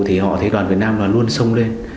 thì họ thấy đoàn việt nam và luôn sông lên